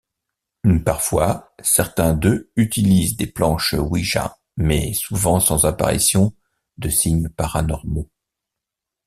Parfois, certains d'eux utilisent des planches Ouija mais souvent sans apparition de signes paranormaux.